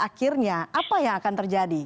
akhirnya apa yang akan terjadi